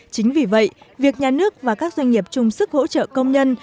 chính vì vậy việc nhà nước và các doanh nghiệp chung sức hỗ trợ công nhân